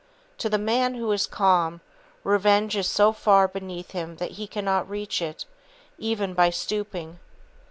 To the man who is calm, revenge is so far beneath him that he cannot reach it, even by stooping.